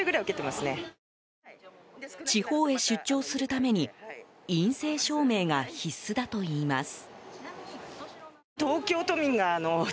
地方へ出張するために陰性証明が必須だといいます。